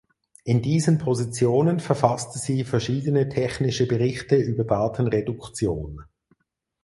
In diesen Positionen verfasste sie verschiedene technische Berichte über Datenreduktion.